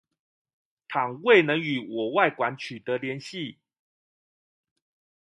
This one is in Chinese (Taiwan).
倘未能與我外館取得聯繫